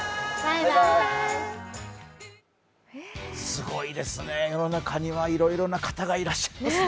すごいですね、世の中にはいろいろな方がいらっしゃいます。